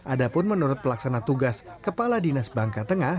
ada pun menurut pelaksana tugas kepala dinas bangka tengah